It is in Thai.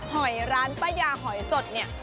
หอยร้านป้ายาหอยสดเนี่ย